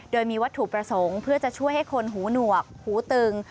โดยมีวัตถุประสงค์เพื่อจะช่วยให้คนหูหนวกหูตึง